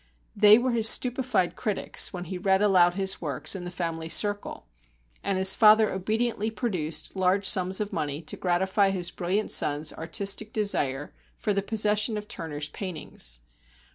They were his stupefied critics, when he read aloud his works in the family circle, and his father obediently produced large sums of money to gratify his brilliant son's artistic desire for the possession of Turner's paintings.